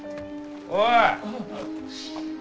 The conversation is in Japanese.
おい！